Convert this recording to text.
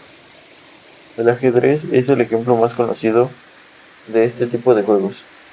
El Ajedrez es el ejemplo más conocido de este tipo de juegos.